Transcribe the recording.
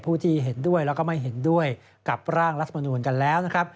ที่เห็นด้วยแล้วก็ไม่เห็นด้วยกับร่างรัฐมนูลกันแล้วนะครับ